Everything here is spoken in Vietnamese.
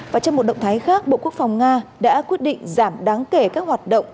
và trong một động thái khác bộ quốc phòng nga đã quyết định giảm đáng kể các hoạt động